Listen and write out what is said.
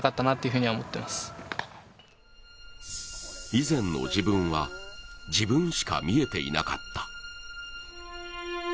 以前の自分は、自分しか見えていなかった。